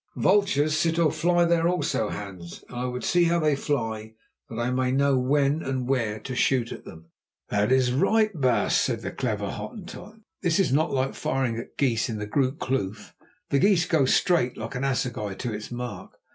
"Vultures sit or fly there also, Hans; and I would see how they fly, that I may know when and where to shoot at them." "That is right, baas," said the clever Hottentot. "This is not like firing at geese in the Groote Kloof. The geese go straight, like an assegai to its mark.